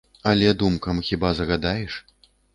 Але думкам хіба загадаеш?